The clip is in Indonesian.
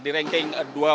di ranking dua puluh tiga